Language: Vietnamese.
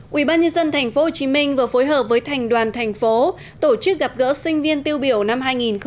quỹ ban nhân dân tp hcm vừa phối hợp với thành đoàn thành phố tổ chức gặp gỡ sinh viên tiêu biểu năm hai nghìn một mươi tám